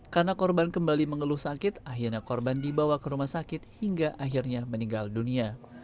karena korban kembali mengeluh sakit akhirnya korban dibawa ke rumah sakit hingga akhirnya meninggal dunia